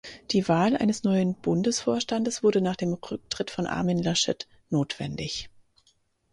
Die Wahl eines neuen Bundesvorstandes wurde nach dem Rücktritt von Armin Laschet notwendig.